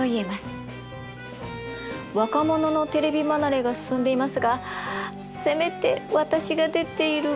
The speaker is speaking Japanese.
若者のテレビ離れが進んでいますがせめて私が出ている